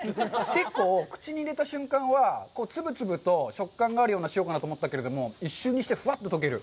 結構口に入れた瞬間はつぶつぶと食感があるような塩かなと思ったけれども、一瞬にしてふわっと溶ける。